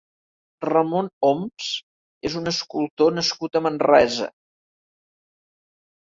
Ramon Oms és un escultor nascut a Manresa.